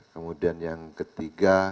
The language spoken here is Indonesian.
kemudian yang ketiga